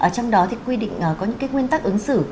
trong đó thì quy định có những nguyên tắc ứng xử